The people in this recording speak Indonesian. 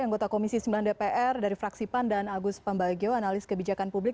anggota komisi sembilan dpr dari fraksi pan dan agus pambagio analis kebijakan publik